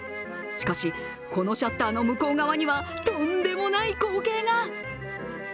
しかし、このシャッターの向こう側にはとんでもない光景が。